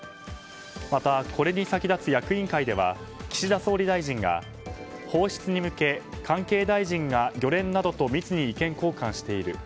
また、これに先立つ役員会では岸田総理大臣が放出に向け関係大臣が漁連などと密に意見交換している。